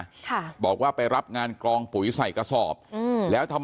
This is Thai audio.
ที่เกิดเกิดเหตุอยู่หมู่๖บ้านน้ำผู้ตะมนต์ทุ่งโพนะครับที่เกิดเกิดเหตุอยู่หมู่๖บ้านน้ำผู้ตะมนต์ทุ่งโพนะครับ